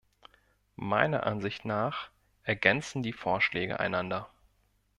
Meiner Ansicht nach ergänzen die Vorschläge einander.